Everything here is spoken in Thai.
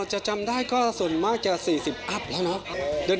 จะจำได้ก็ส่วนมากจะ๔๐อัพแล้วนะครับ